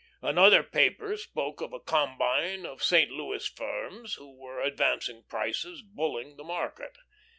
Another paper spoke of a combine of St. Louis firms who were advancing prices, bulling the market.